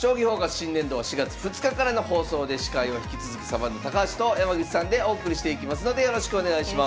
新年度は４月２日からの放送で司会は引き続きサバンナ高橋と山口さんでお送りしていきますのでよろしくお願いします。